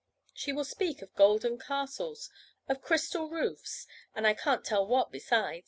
She will speak of golden castles, of crystal roofs, and I can't tell what beside.